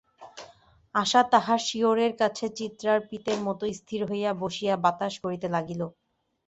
আশা তাঁহার শিয়রের কাছে চিত্রার্পিতের মতো স্থির হইয়া বসিয়া বাতাস করিতে লাগিল।